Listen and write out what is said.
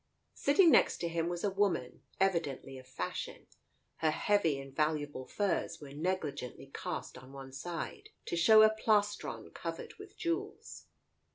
Sitting next to him was a woman evidently of fashion. Her heavy and valuable furs were negligently cast on one side, to show a plastron covered with jewels.